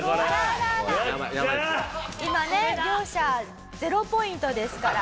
今ね両者０ポイントですから。